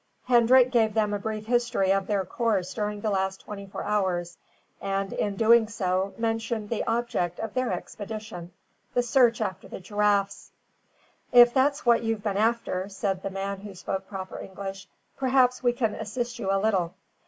Hendrik gave them a brief history of their course during the last twenty four hours; and, in doing so, mentioned the object of their expedition, the search after the giraffes. "If that's what you've been after," said the man who spoke proper English, "perhaps we can assist you a little.